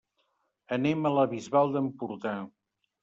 Anem a la Bisbal d'Empordà.